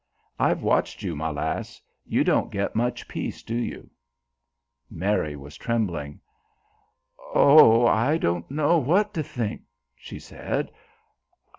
I've watched you, my lass. You don't get much peace, do you?" Mary was trembling. "Oh, I don't know what to think," she said.